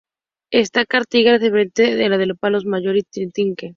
Esta carlinga se diferenciaba de la de los palos mayor y de trinquete.